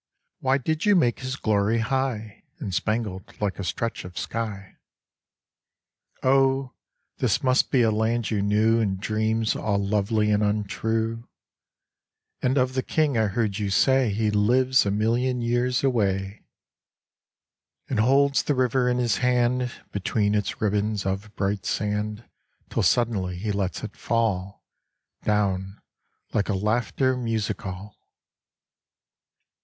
Why did you make his glory high And spangled like a stretch of sky? Oh, this must be a land you knew In dreams all lovely and untrue ; And of the king I heard you say He lives a million years away And holds the river in his hand Between its ribbons of bright sand Till suddenly he lets it fall Down like a laughter musical